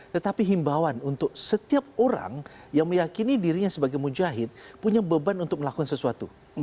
tetapi himbawan untuk setiap orang yang meyakini dirinya sebagai mujahid punya beban untuk melakukan sesuatu